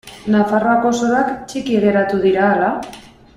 Nafarroako soroak txiki geratu dira ala?